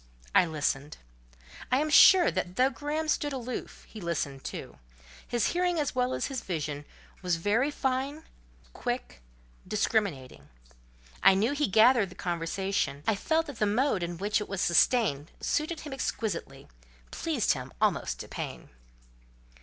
I listened. I am sure that though Graham stood aloof, he listened too: his hearing as well as his vision was very fine, quick, discriminating. I knew he gathered the conversation; I felt that the mode in which it was sustained suited him exquisitely—pleased him almost to pain.